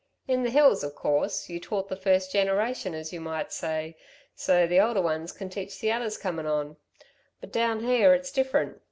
In the hills, of course, you taught the first generation, as you might say, so the older ones can teach the others coming on, but down there it's different.